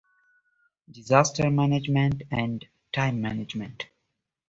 However, the name "Sedan" was incorrectly transcribed as "Sudan" in the Congressional Record.